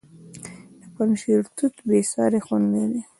د پنجشیر توت بې ساري خوند لري.